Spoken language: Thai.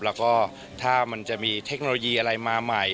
แล้วก็ถ้ามันจะมีเทคโนโลยีอะไรมาใหม่